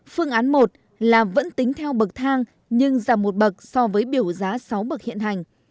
phương án một là vẫn tính theo bậc thang nhưng giảm một bậc so với biểu giá sáu bậc hiện hành